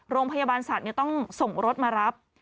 โรงพยาบาลสัตว์ต้องส่งรถมารับ